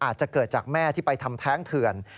อาจจะเกิดจากแม่ที่ไปทำแท้งเถื่อน